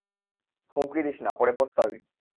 হুমকি দিস না, পরে পস্তাবি!